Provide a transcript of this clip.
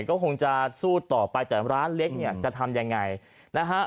ก็คงจะสู้ต่อไปแต่ร้านเล็กเนี่ยจะทำยังไงนะฮะ